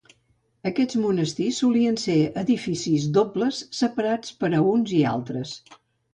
Aquests monestirs solien ser edificis dobles separats per a uns i altres.